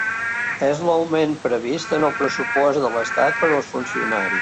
És l’augment previst en el pressupost de l’estat per als funcionaris.